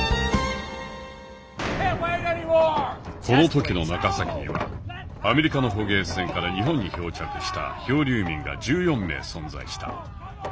この時の長崎にはアメリカの捕鯨船から日本に漂着した漂流民が１４名存在した。